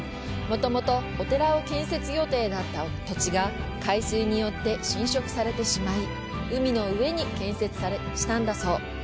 もともと、お寺を建設予定だった土地が海水により浸食されてしまい、海の上に建設したんだそう。